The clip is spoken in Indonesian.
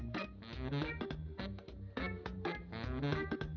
gak ada lagi